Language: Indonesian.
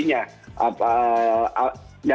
iya itu juga pentingnya